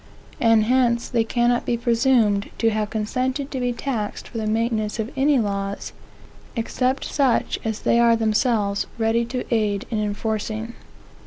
And hence they cannot be presumed to have consented to be taxed for the maintenance of any laws, except such as they are themselves ready to aid in enforcing.